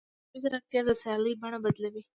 مصنوعي ځیرکتیا د سیالۍ بڼه بدلوي.